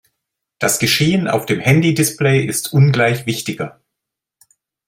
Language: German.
Das Geschehen auf dem Handy-Display ist ungleich wichtiger.